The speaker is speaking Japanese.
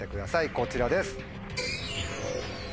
こちらです。